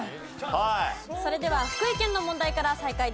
それでは福井県の問題から再開です。